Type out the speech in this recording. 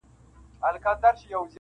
• زه لکه زېری نا خبره دي پر خوا راځمه -